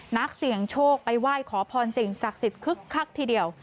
นักเสี่ยงโชคไปไหว้ขอพรสิ่งศักดิ์สิทธิ์คึกคักทีเดียว